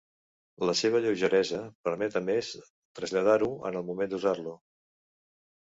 La seva lleugeresa permet a més traslladar-ho en el moment d'usar-lo.